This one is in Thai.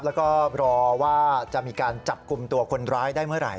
แล้วก็รอว่าจะมีการจับกลุ่มตัวคนร้ายได้เมื่อไหร่